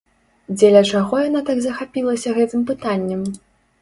Дзеля чаго яна так захапілася гэтым пытаннем?